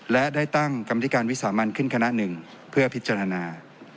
และได้ตั้งกรรมธิการวิสามันขึ้นคณะหนึ่งเพื่อพิจารณา